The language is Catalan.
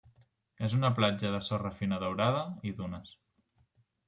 És una platja de sorra fina daurada i dunes.